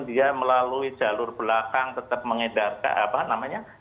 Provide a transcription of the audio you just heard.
dia melalui jalur belakang tetap mengedarkan apa namanya